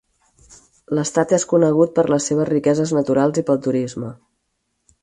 L'estat és conegut per les seves riqueses naturals i pel turisme.